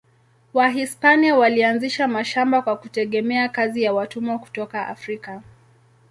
Wahispania walianzisha mashamba kwa kutegemea kazi ya watumwa kutoka Afrika.